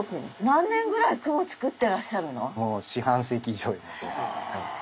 何年ぐらい雲作ってらっしゃるの？